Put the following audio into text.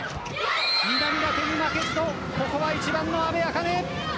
南舘に負けじとここは１番の阿部明音。